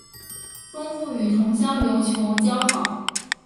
钟复与同乡刘球交好。